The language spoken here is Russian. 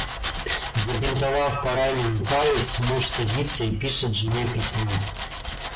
Забинтовав пораненный палец, муж садится и пишет жене письмо.